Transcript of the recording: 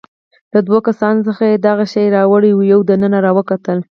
له دوو کسانو څخه چې دغه شی يې راوړی وو، یو دننه راوکتل.